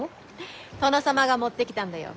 殿様が持ってきたんだよ。